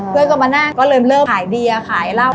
เพื่อนก็มานั่งก็เริ่มขายเบียร์ขายเหล้า